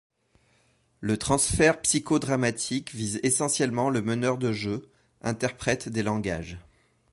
Le transfert psychodramatique vise essentiellement le meneur de jeu, interprète des langages.